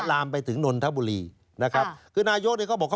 รามไปถึงนนทบุรีนะคับ